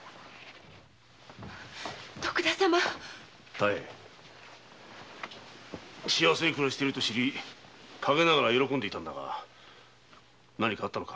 妙幸せに暮らしていると知り陰ながら喜んでいたのだが何かあったのか？